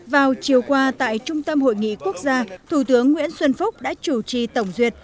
vào chiều qua tại trung tâm hội nghị quốc gia thủ tướng nguyễn xuân phúc đã chủ trì tổng duyệt